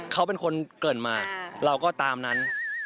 เขาเป็นคนเกิดมาเราก็ตามนั้น